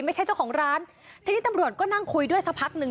ไม่ใช่เจ้าของร้านทีนี้ตำรวจก็นั่งคุยด้วยสักพักหนึ่ง